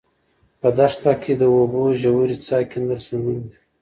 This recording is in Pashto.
په دښته کې د اوبو د ژورې څاه کیندل ستونزمن دي.